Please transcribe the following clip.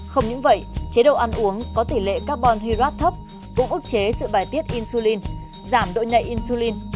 không những vậy chế độ ăn uống có tỷ lệ carbon hydrat thấp cũng ước chế sự bài tiết insulin giảm độ nhạy insulin